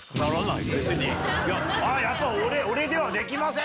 「やっぱ俺ではできません」